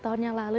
dua tahunnya lalu